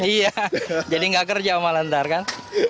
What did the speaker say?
iya jadi nggak kerja malandar kan